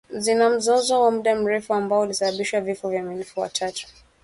zina mzozo wa muda mrefu ambao ulisababishwa vifo vya maelfu ya watu